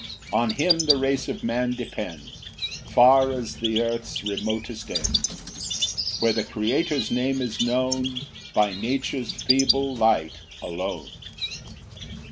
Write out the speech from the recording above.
2 On him the race of man depends, Far as the earth's remotest ends, Where the Creator's Name is known By nature's feeble light alone.